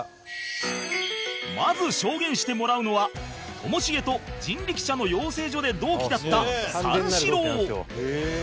まず証言してもらうのはともしげと人力舎の養成所で同期だった三四郎